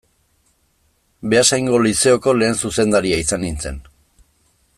Beasaingo Lizeoko lehen zuzendaria izan nintzen.